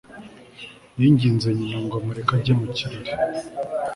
yinginze nyina ngo amureke ajye mu kirori